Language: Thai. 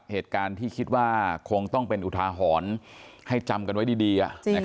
เหตุการณ์ที่คิดว่าคงต้องเป็นอุทาหรณ์ให้จำกันไว้ดี